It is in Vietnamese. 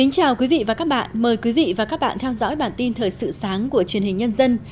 chào mừng quý vị đến với bản tin thời sự sáng của truyền hình nhân dân